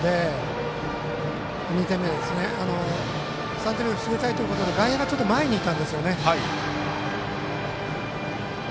３点目は防ぎたいということで外野が前にいたんですよね。